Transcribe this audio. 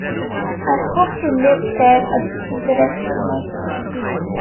I hope to live there the rest of my days.